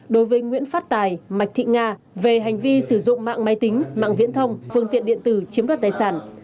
đối với nguyễn phát tài mạch thị nga về hành vi sử dụng mạng máy tính mạng viễn thông phương tiện điện tử chiếm đoạt tài sản